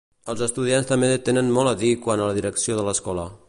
Els estudiants també tenen molt a dir quant a la direcció de l'escola.